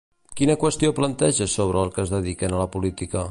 Quina qüestió planteja sobre els que es dediquen a la política?